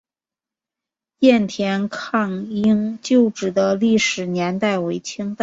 雁田抗英旧址的历史年代为清代。